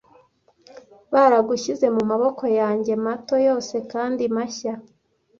Baragushyize mu maboko yanjye mato yose kandi mashya